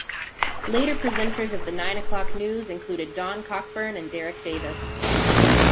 Later presenters of the "Nine O'Clock News" included Don Cockburn and Derek Davis.